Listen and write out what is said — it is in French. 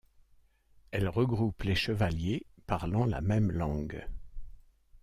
Elles regroupent les chevaliers parlant la même langue.